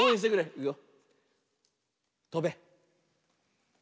いくよ。